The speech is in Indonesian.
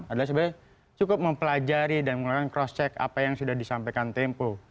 adalah sebenarnya cukup mempelajari dan mengeluarkan cross check apa yang sudah disampaikan tempo